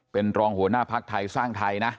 เป็นรองหัวหน้าภักดิ์ไทยสร้างไทยนะ